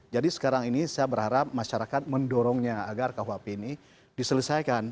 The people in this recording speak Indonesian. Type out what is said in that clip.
jadi sekarang ini saya berharap masyarakat mendorongnya agar rkuhp ini diselesaikan